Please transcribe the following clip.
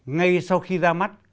ngay sau khi ra mắt